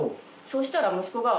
そうしたら息子が。